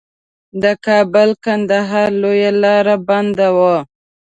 د کابل کندهار لویه لار بنده وه.